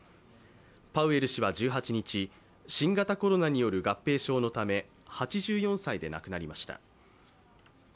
パウエル氏は１８日、新型コロナによる合併症のため、８４歳で亡くなりました。